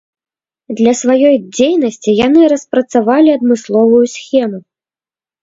Для сваёй дзейнасці яны распрацавалі адмысловую схему.